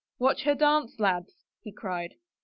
" Watch her dance, lads," he cried.